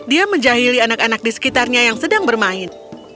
dia menjahili anak anak di sekitarnya yang sedang bermain